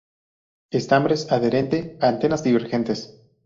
Estambres adherente; anteras divergentes.